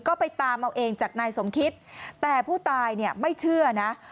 ก็ไปตามเอาเองจากนายสมคิตแต่ผู้ตายเนี่ยไม่เชื่อนะ